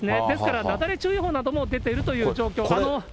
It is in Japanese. ですから、雪崩注意報なども出ているという状況。